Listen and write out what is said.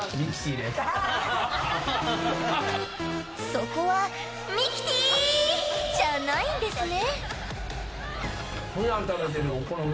そこはミキティー！じゃないんですね。